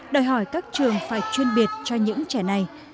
đòi hỏi các trường phải chuyên biệt cho những trẻ này